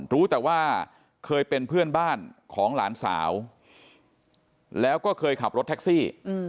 รู้แต่ว่าเคยเป็นเพื่อนบ้านของหลานสาวแล้วก็เคยขับรถแท็กซี่